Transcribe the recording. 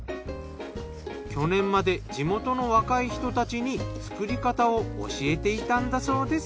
去年まで地元の若い人たちに作り方を教えていたんだそうです。